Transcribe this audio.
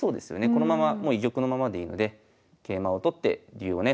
このままもう居玉のままでいいので桂馬を取って竜をね